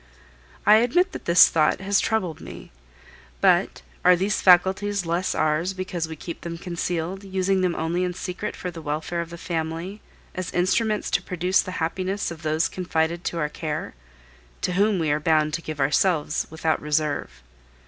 I admit that this thought has troubled me. But are these faculties less ours because we keep them concealed, using them only in secret for the welfare of the family, as instruments to produce the happiness of those confided to our care, to whom we are bound to give ourselves without reserve?